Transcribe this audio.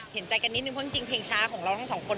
เห็นใจกันนิดนึงเพราะจริงเพลงช้าของเราทั้งสองคน